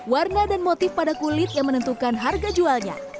warna dan motif pada kulit yang menentukan harga jualnya